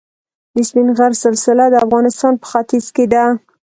د سپین غر سلسله د افغانستان په ختیځ کې ده.